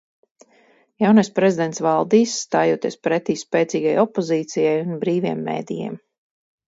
Jaunais prezidents valdīs, stājoties pretī spēcīgai opozīcijai un brīviem medijiem.